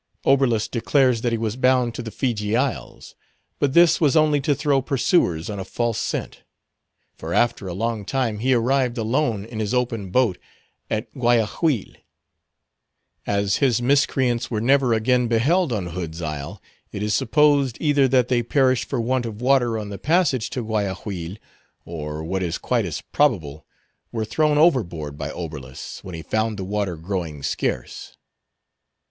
Oberlus declares that he was bound to the Feejee Isles; but this was only to throw pursuers on a false scent. For, after a long time, he arrived, alone in his open boat, at Guayaquil. As his miscreants were never again beheld on Hood's Isle, it is supposed, either that they perished for want of water on the passage to Guayaquil, or, what is quite as probable, were thrown overboard by Oberlus, when he found the water growing scarce.